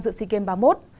giữa sea games ba mươi một